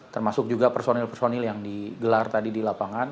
termasuk juga personil personil yang digelar tadi di lapangan